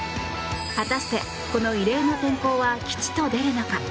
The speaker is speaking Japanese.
果たして、この異例の転向は吉と出るのか。